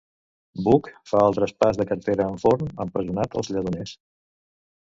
Buch fa el traspàs de cartera amb Forn empresonat als Lledoners.